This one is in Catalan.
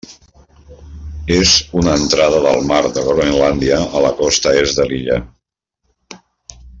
És una entrada del mar de Groenlàndia a la costa est de l'illa.